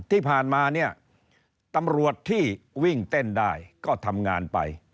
ที่ผ่านมาเนี่ยตำรวจที่วิ่งเต้นได้ก็ทำงานไป